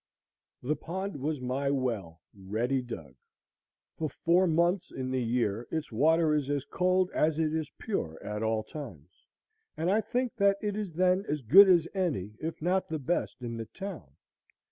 The pond was my well ready dug. For four months in the year its water is as cold as it is pure at all times; and I think that it is then as good as any, if not the best, in the town.